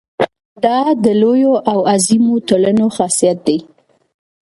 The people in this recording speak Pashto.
دا د لویو او عظیمو ټولنو خاصیت دی.